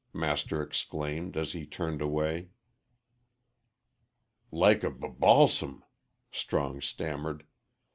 Master exclaimed, as he turned away. "Like a b balsam," Strong stammered.